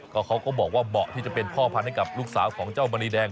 เขาก็บอกว่าเหมาะที่จะเป็นพ่อพันธุ์ให้กับลูกสาวของเจ้ามณีแดง